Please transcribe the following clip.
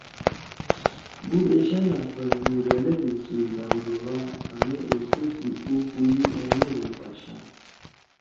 بُوڑ ایشانا پہیِم گَلَدی سلطان زیبا، کامے اُوسو سی اُو پُوئی، أنگی دے پشا